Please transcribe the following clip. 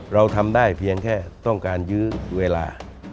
เราทำได้เพียงแค่ต้องการยื้อเวลา